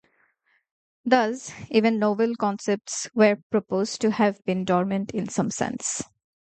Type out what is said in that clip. Thus, even novel concepts were proposed to have been dormant in some sense.